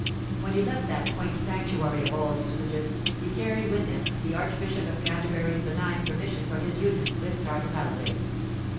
When he left that quaint sanctuary of old usages, he carried with him the Archbishop of Canterbury's benign permission for his union with Charlotte Halliday.